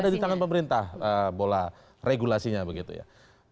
ada di tangan pemerintah bola regulasinya begitu ya